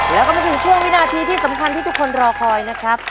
แล้วก็มาถึงช่วงวินาทีที่สำคัญที่ทุกคนรอคอยนะครับ